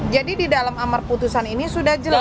jadi di dalam amar putusan ini sudah jelas